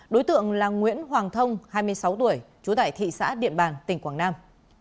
đối tượng là nguyễn hoàng thông hai mươi sáu tuổi trú tại thị xã điện bàn tỉnh quảng nam